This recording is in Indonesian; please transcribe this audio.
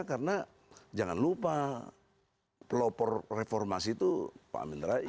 karena jangan lupa pelopor reformasi itu pak amin rai